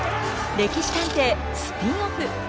「歴史探偵」スピンオフ。